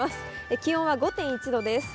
気温は５．１度です。